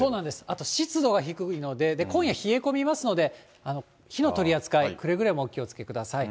あと湿度が低いので、今夜冷え込みますので、火の取り扱い、くれぐれもお気をつけください。